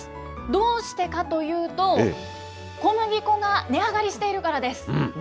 どうしてかというと、小麦粉が値上がりしているからです。